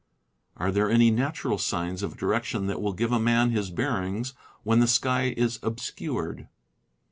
Are there any natural signs of direction that will give a man his bearings when the sky is obscured